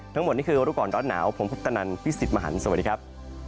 ทั้งหมดนี่คือรู้ก่อนร้อนหนาวผมพุทธนันพี่สิทธิ์มหันฯสวัสดีครับ